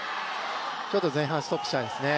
ちょっと前半ストップしちゃいましたね。